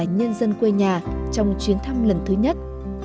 nhân dân quê nhà trong chuyến thăm lần thứ nhất